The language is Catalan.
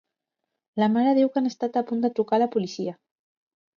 La mare diu que han estat a punt de trucar la policia.